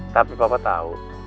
tapi papa tau